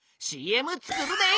ＣＭ作るで！